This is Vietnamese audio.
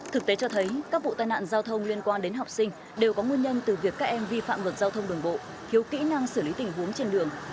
thực tế cho thấy các vụ tai nạn giao thông liên quan đến học sinh đều có nguyên nhân từ việc các em vi phạm luật giao thông đường bộ thiếu kỹ năng xử lý tình huống trên đường